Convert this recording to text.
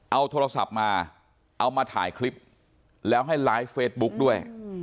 เอาโทรศัพท์มาเอามาถ่ายคลิปแล้วให้ไลฟ์เฟซบุ๊กด้วย